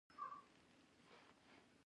که به دوکاندار کوم مال خرڅاوه.